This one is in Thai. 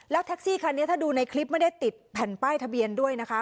แท็กซี่คันนี้ถ้าดูในคลิปไม่ได้ติดแผ่นป้ายทะเบียนด้วยนะคะ